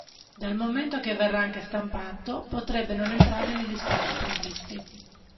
Dal momento che verrà anche stampato potrebbe non entrare negli spazi previsti.